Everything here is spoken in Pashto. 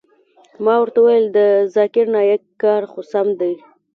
ما ورته وويل د ذاکر نايک کار سم خو دى.